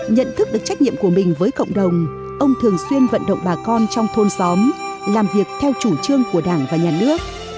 nhận thức được trách nhiệm của mình với cộng đồng ông thường xuyên vận động bà con trong thôn xóm làm việc theo chủ trương của đảng và nhà nước